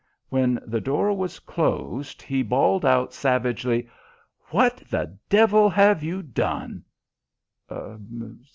When the door was closed, he bawled out, savagely: "What the devil have you done?"